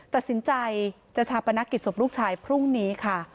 ตัดสินใจจะชาปนกิจศพลูกชายพรุ่งนี้ค่ะ